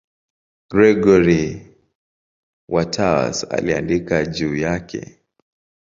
Gregori wa Tours aliandika juu yake.